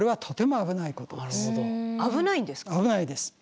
危ないです。